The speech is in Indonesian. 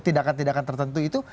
tindakan tindakan tertentu itu